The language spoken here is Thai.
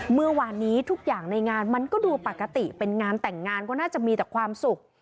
เมื่อวานนี้ทุกอย่างในงานมันก็ดูปกติเป็นงานแต่งงานก็น่าจะมีแต่ความสุข